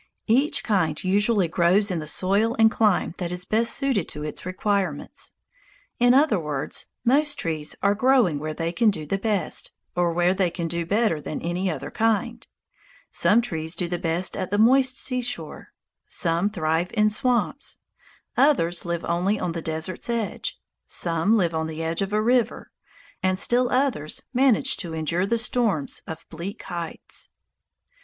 Each kind usually grows in the soil and clime that is best suited to its requirements; in other words, most trees are growing where they can do the best, or where they can do better than any other kind. Some trees do the best at the moist seashore; some thrive in swamps; others live only on the desert's edge; some live on the edge of a river; and still others manage to endure the storms of bleak heights.